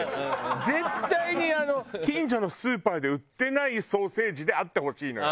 絶対に近所のスーパーで売ってないソーセージであってほしいのよ。